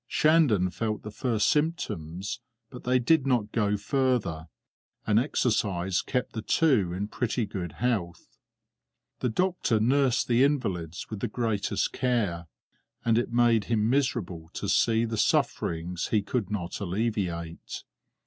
Shandon felt the first symptoms, but they did not go further, and exercise kept the two in pretty good health. The doctor nursed the invalids with the greatest care, and it made him miserable to see the sufferings he could not alleviate.